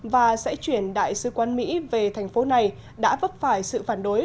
và sẽ chuyển đại sứ quán mỹ về thành phố này đã vấp phải sự phản đối